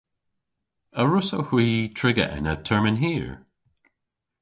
A wrussowgh hwi triga ena termyn hir?